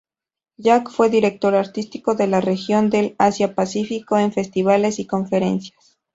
Jack fue director artístico de la región del Asia-Pacífico en Festivales y Conferencias.